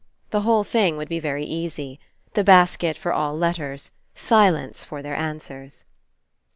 The whole thing would be very easy. The basket for all letters, silence for their answers.